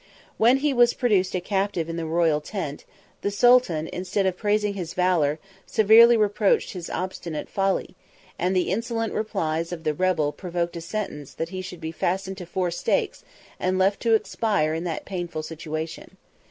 When he was produced a captive in the royal tent, the sultan, instead of praising his valor, severely reproached his obstinate folly: and the insolent replies of the rebel provoked a sentence, that he should be fastened to four stakes, and left to expire in that painful situation.